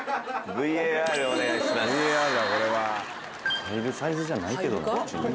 入るサイズじゃないけどな口に。